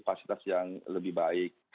fasilitas yang lebih baik